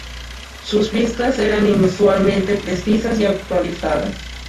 Sus vistas eran inusualmente precisas y actualizadas.